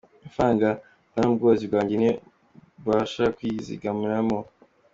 Amafaranga mvana mu bworozi bwanjye niyo mbasha kwizigamiramo.